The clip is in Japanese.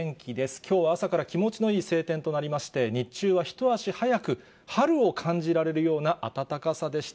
きょうは朝から気持ちのいい晴天となりまして、日中は一足早く、春を感じられるような暖かさでした。